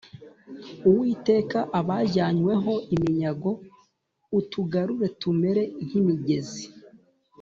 uwiteka abajyanyweho iminyaago atugarure, tumere nk’imigezi